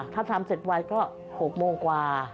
ถ้าทำเสร็จไวก็๖โมงกว่า